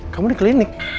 kamu di klinik